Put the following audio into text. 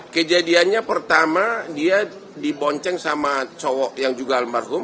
kejadiannya pertama dia dibonceng sama cowok yang juga almarhum